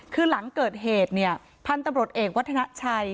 คือหลังเกิดเหตุเนี่ยพันธุ์ตำรวจเอกวัฒนาชัย